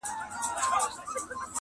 پکښی پورته به د خپل بلال آذان سي!.